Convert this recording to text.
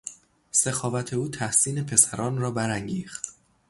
سخاوت او تحسین پسران را برانگیخت.